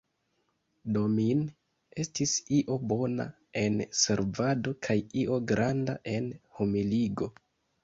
Domin, estis io bona en servado kaj io granda en humiligo.